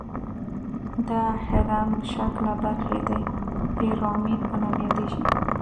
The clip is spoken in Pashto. دا هرم شکله برخې د پیرامید په نامه یادیږي.